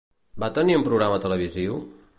Va tenir un programa televisiu?